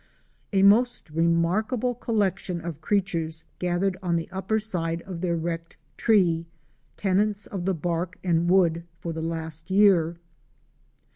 A most remarkable collection of creatures gathered on the upper side of their wrecked tree, tenants of the bark and wood for the last year.